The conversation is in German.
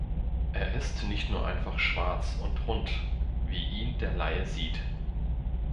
Er ist nicht nur einfach schwarz und rund, wie ihn der Laie sieht.